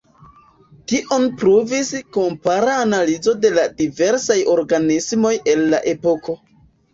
Tion pruvis kompara analizo de la diversaj organismoj el la epoko.